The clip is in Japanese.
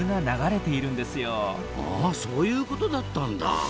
あそういうことだったんだ。